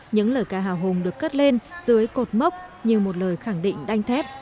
những lời ca hào hùng được cất lên dưới cột mốc như một lời khẳng định đanh thép